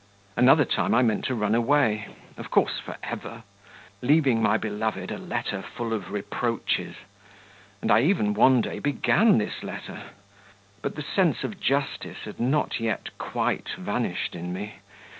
Another time I meant to run away, of course for ever, leaving my beloved a letter full of reproaches, and I even one day began this letter; but the sense of justice had not yet quite vanished in me.